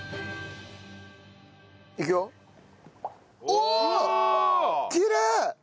おおきれい！